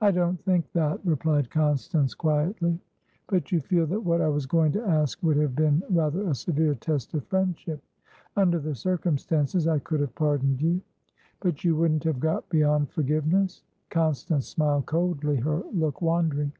"I don't think that," replied Constance, quietly. "But you feel that what I was going to ask would have been rather a severe test of friendship?" "Under the circumstances, I could have pardoned you." "But you wouldn't have got beyond forgiveness?" Constance smiled coldly, her look wandering.